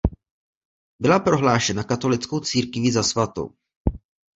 Byla prohlášena katolickou církví za svatou.